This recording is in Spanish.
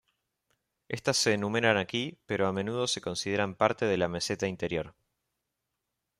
Estas se enumeran aquí, pero a menudo se consideran parte de la meseta Interior.